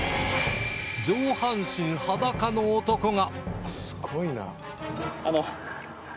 上半身裸の男が